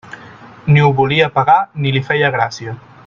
Ni ho volia pagar ni li feia gràcia.